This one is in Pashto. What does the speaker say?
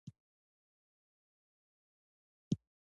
له اوږدې مودې وروسته بېرته کندهار ته راستون شو.